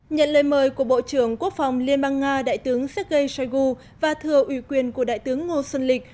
nhận lời mời của bộ trưởng quốc phòng liên bang nga đại tướng sergei shoigu và thưa ủy quyền của đại tướng ngô xuân lịch